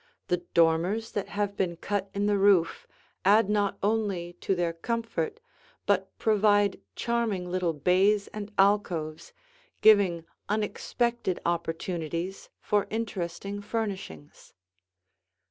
The dormers that have been cut in the roof add not only to their comfort but provide charming little bays and alcoves, giving unexpected opportunities for interesting furnishings.